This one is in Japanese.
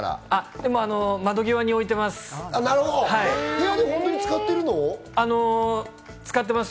窓際に置いてます。